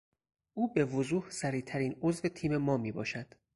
او به وضوح سریعترین عضو تیم ما میباشد.